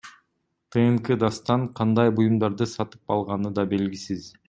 ТНК Дастан кандай буюмдарды сатып алганы да белгисиз.